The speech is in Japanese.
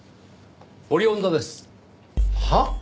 オリオン座です。は？